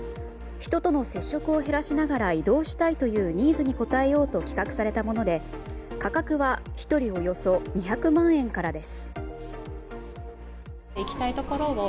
人との接触を減らしながら移動したいというニーズに応えようと企画されたもので価格は１人およそ２００万円からです。